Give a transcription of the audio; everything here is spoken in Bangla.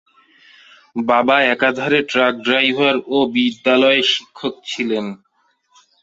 বাবা একাধারে ট্রাক ড্রাইভার ও বিদ্যালয়ের শিক্ষক ছিলেন।